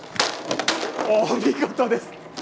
お見事です！